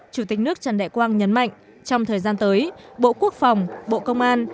chủ tịch nước trần đại quang nhấn mạnh trong thời gian tới bộ quốc phòng bộ công an